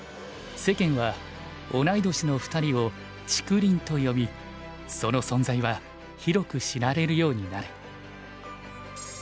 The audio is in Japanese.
世間は同い年の２人を「竹林」と呼びその存在は広く知られるようになる。